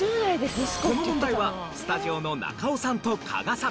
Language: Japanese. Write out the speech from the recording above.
この問題はスタジオの中尾さんと加賀さん